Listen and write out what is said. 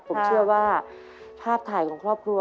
ผมเชื่อว่าภาพถ่ายของครอบครัว